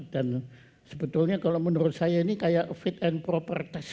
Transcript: dan sebetulnya kalau menurut saya ini kayak fit and proper test